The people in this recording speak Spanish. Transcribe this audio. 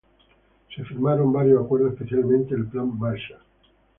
Se firmaron varios acuerdos, especialmente el Plan Marshall.